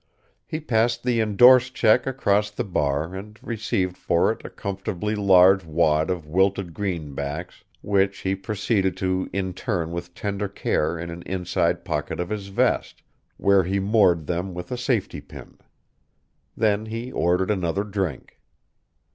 He passed the indorsed check across the bar and received for it a comfortably large wad of wilted greenbacks which he proceeded to intern with tender care in an inside pocket of his vest, where he moored them with a safety pin. Then he ordered another drink.